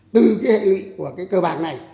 từ cái hệ lị của cái cơ bản này